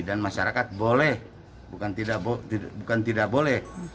dan masyarakat boleh bukan tidak boleh